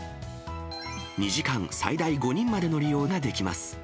２時間最大５人までの利用ができます。